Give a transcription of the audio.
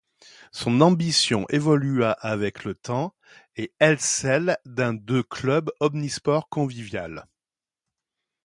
Son ambition évolua avec le temps et elle celle d'un de club omnisports convivial.